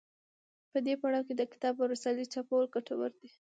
په دې پړاو کې د کتاب او رسالې چاپول ګټور دي.